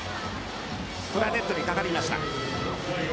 これはネットにかかりました。